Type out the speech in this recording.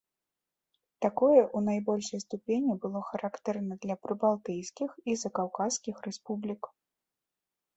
Такое ў найбольшай ступені было характэрна для прыбалтыйскіх і закаўказскіх рэспублік.